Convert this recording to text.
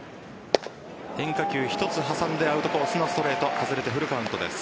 変化球一つ挟んでアウトコースのストレート外れてフルカウントです。